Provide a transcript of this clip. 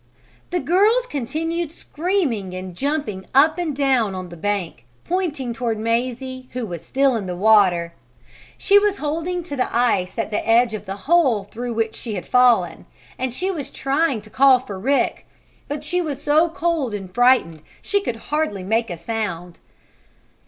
The girls continued screaming and jumping up and down on the bank, pointing toward Mazie, who was still in the water. She was holding to the ice at the edge of the hole through which she had fallen, and she was trying to call for Rick. But she was so cold and frightened she could hardly make a sound.